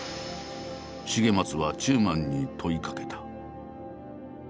重松は中馬に問いかけた。